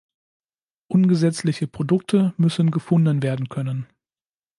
Ungesetzliche Produkte müssen gefunden werden können.